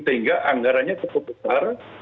sehingga anggarannya cukup besar